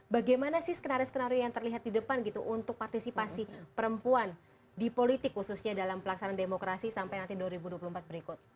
bagaimana sih skenario skenario yang terlihat di depan gitu untuk partisipasi perempuan di politik khususnya dalam pelaksanaan demokrasi sampai nanti dua ribu dua puluh empat berikut